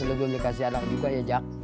lo juga kasih anak juga ya jak